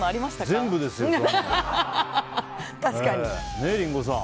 全部ですよ。ね、リンゴさん。